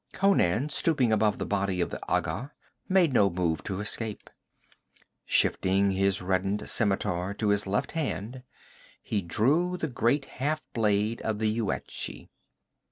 Conan, stooping above the body of the Agha, made no move to escape. Shifting his reddened scimitar to his left hand, he drew the great half blade of the Yuetshi.